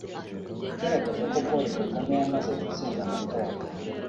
yagaragaje ko Paul Kagame yamaze gutsinda amatora